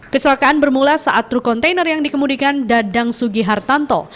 kecelakaan bermula saat truk kontainer yang dikemudikan dadang sugihartanto